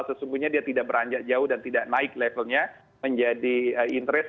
sesungguhnya dia tidak beranjak jauh dan tidak naik levelnya menjadi interest